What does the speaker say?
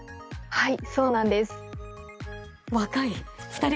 はい。